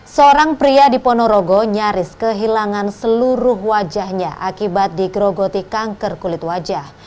seorang pria di ponorogo nyaris kehilangan seluruh wajahnya akibat digerogoti kanker kulit wajah